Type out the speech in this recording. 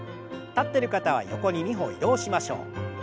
立ってる方は横に２歩移動しましょう。